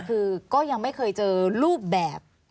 คือก็ยังไม่เคยเจอรูปแบบ